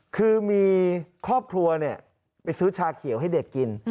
คือมีครอบครัวไปซื้อชาเขียวให้เด็กกิน